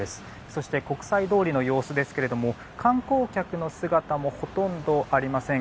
そして国際通りの様子ですが観光客の姿もほとんどありません。